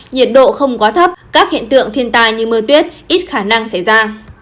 nhiệt độ không quá thấp các hiện tượng thiên tai như mưa tuyết ít khả năng xảy ra